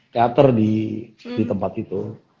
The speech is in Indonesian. teater di tempat itu